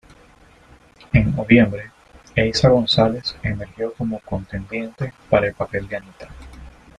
En noviembre, Eiza González emergió como contendiente para el papel de Anita.